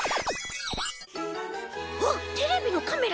うわっテレビのカメラ？